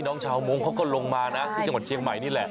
น้องชาวมงคเขาก็ลงมานะที่จังหวัดเชียงใหม่นี่แหละ